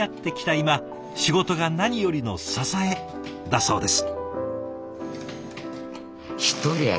今仕事が何よりの支えだそうです。